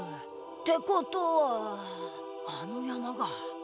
ってことはあのやまが。